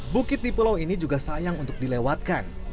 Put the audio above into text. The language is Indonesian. bukit di pulau ini juga sayang untuk dilewatkan